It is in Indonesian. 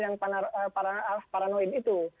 yang paranoid itu